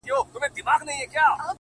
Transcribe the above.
• د ملا انډیوالي تر شکرانې وي ,